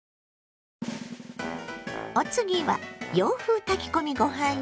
お次は洋風炊き込みご飯よ。